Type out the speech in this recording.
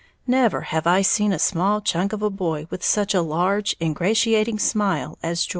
Never have I seen a small chunk of a boy with such a large, ingratiating smile as Geordie's.